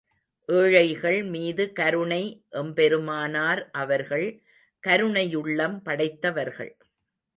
ஏழைகள் மீது கருணை எம்பெருமானார் அவர்கள் கருணையுள்ளம் படைத்தவர்கள்.